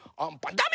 ダメ！